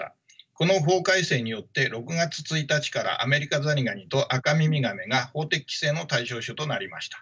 この法改正によって６月１日からアメリカザリガニとアカミミガメが法的規制の対象種となりました。